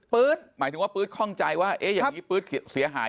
หมายถึงว่าปื๊ดข้องใจว่าเอ๊ะอย่างนี้ปื๊ดเสียหาย